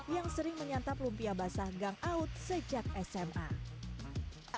yang sering menyantap lumpia basah gangau sejak sma